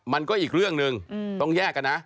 มันก็อีกเรื่องหนึ่งต้องแยกกันนะ